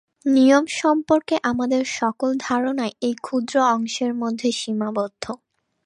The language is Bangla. নিয়ম সম্পর্কে আমাদের সকল ধারণাই এই ক্ষুদ্র অংশের মধ্যে সীমাবদ্ধ।